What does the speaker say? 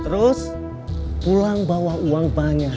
terus pulang bawa uang banyak